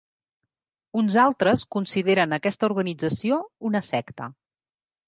Uns altres consideren aquesta organització una secta.